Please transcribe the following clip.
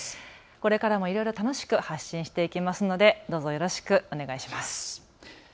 これからもいろいろ楽しく発信していきますのでどうぞよろしくお願いします。